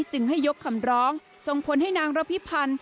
จึงให้ยกคำร้องส่งผลให้นางระพิพันธ์